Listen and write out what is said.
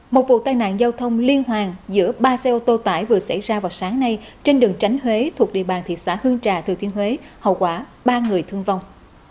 một vụ tai nạn giao thông liên hoàn giữa ba xe ô tô tải vừa xảy ra vào sáng nay trên đường tránh huế thuộc địa bàn thị xã hương trà thừa thiên huế hậu quả ba người thương vong